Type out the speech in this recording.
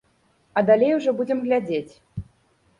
А далей ужо будзем глядзець.